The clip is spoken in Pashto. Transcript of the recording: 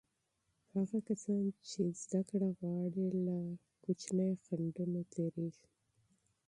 هغه کسان چې علم غواړي، له مادي خنډونو تیریږي.